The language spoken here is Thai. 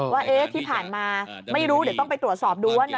ว่าที่ผ่านมาไม่รู้เดี๋ยวต้องไปตรวจสอบดูว่า